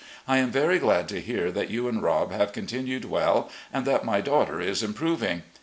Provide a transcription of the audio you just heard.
I am very glad to hear that you and Rob have continued well, and that my daughter is improving.